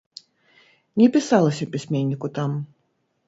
Не пісалася пісьменніку там.